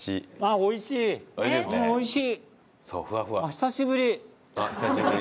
久しぶり！